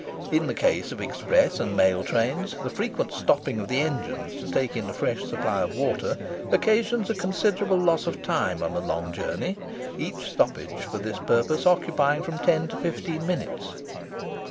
In the case of express and mail trains, the frequent stopping of the engines to take in a fresh supply of water occasions a considerable loss of time on a long journey, each stoppage for this purpose occupying from ten to fifteen minutes.